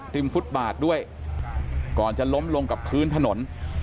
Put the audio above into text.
ฟุตบาทด้วยก่อนจะล้มลงกับพื้นถนน